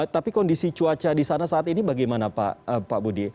tapi kondisi cuaca di sana saat ini bagaimana pak budi